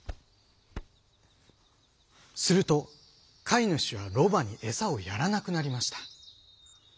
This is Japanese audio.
するとかいぬしはロバにえさをやらなくなりました。